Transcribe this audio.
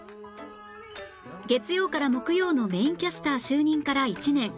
月曜から木曜のメインキャスター就任から１年